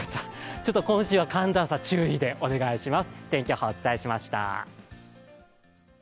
ちょっと今週は寒暖差注意でお願いします。